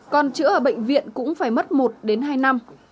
còn chữa ở bệnh viện cũng phải mất một đến hai năm